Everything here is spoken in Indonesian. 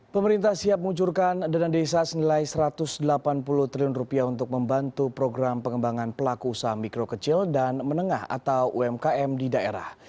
pemerintah siap menguncurkan dana desa senilai rp satu ratus delapan puluh triliun untuk membantu program pengembangan pelaku usaha mikro kecil dan menengah atau umkm di daerah